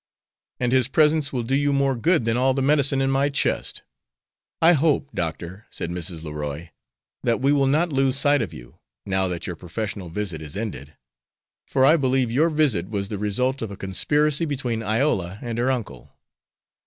"And his presence will do you more good than all the medicine in my chest." "I hope, Doctor," said Mrs. Leroy, "that we will not lose sight of you, now that your professional visit is ended; for I believe your visit was the result of a conspiracy between Iola and her uncle."